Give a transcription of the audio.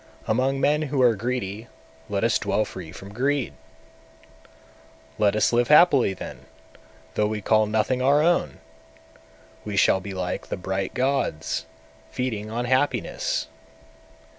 among men who are greedy let us dwell free from greed! 200. Let us live happily then, though we call nothing our own! We shall be like the bright gods, feeding on happiness!